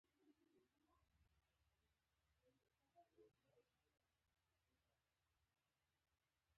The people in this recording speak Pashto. مانیرا وویل: نور يې بس کړئ، چې ډېرې مو وکړې.